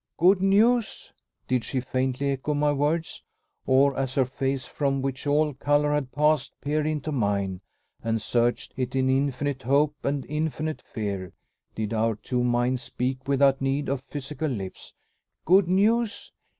"Good news?" Did she faintly echo my words? or, as her face from which all color had passed peered into mine, and searched it in infinite hope and infinite fear, did our two minds speak without need of physical lips? "Good news?"